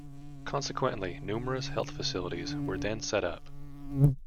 Consequently, numerous health facilities were then set up.